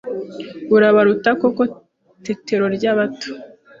Urabaruta koko tetero ry’abato !